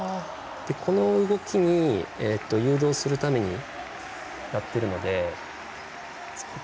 この動きに誘導するためにやってるので。